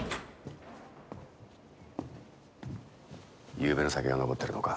ゆうべの酒が残っているのか？